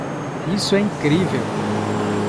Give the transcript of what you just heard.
Isso é incrível!